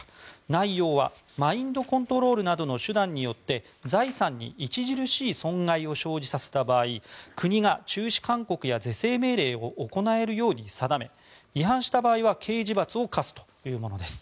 内容はマインドコントロールなどの手段によって財産に著しい損害を生じさせた場合国が中止勧告や是正命令を行えるように定め違反した場合は刑事罰を科すというものです。